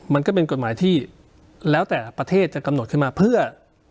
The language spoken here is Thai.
มันก็เป็นกฎหมายที่แล้วแต่ประเทศจะกำหนดขึ้นมาเพื่อ